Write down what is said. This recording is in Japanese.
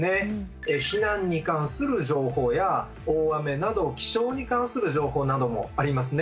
避難に関する情報や大雨など気象に関する情報などもありますね。